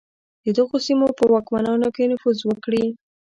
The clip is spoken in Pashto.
د دغو سیمو په واکمنانو کې نفوذ وکړي.